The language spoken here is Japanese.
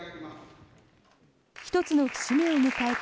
１つの節目を迎えた